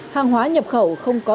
hàng hóa nhập khẩu không có